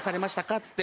っつって